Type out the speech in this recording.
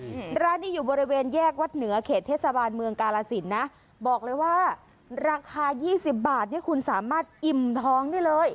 อืมร้านนี้อยู่บริเวณแยกวัดเหนือเขตเทศบาลเมืองกาลสินนะบอกเลยว่าราคายี่สิบบาทเนี้ยคุณสามารถอิ่มท้องได้เลย